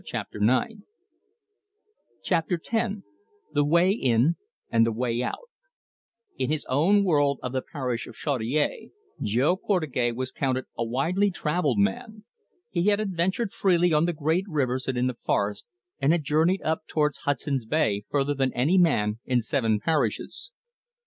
CHAPTER X. THE WAY IN AND THE WAY OUT In his own world of the parish of Chaudiere Jo Portugais was counted a widely travelled man. He had adventured freely on the great rivers and in the forests, and had journeyed up towards Hudson's Bay farther than any man in seven parishes.